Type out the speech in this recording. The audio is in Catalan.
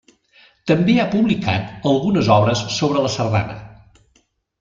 També ha publicat algunes obres sobre la sardana.